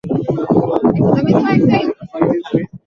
wanaoishi kaskazini mwa mji rio gambo grance jirani na tere